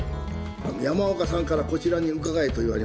山岡さんからこちらに伺えと言われまして。